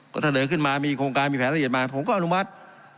ก็เสนอขึ้นมามีโครงการมีแผนละเอียดมาผมก็อนุมัติ